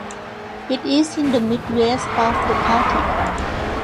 It is in the mid-west of the county.